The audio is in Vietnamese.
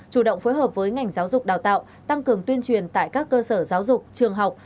chủ động phối hợp với ngành giáo dục đào tạo tăng cường tuyên truyền tại các cơ sở giáo dục trường học